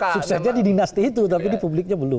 suksesnya di dinasti itu tapi di publiknya belum